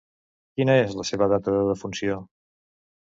Quina és la seva data de defunció?